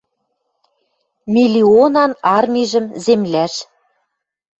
Миллионан армижӹм земляш.